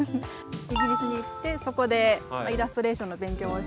イギリスに行ってそこでイラストレーションの勉強をして。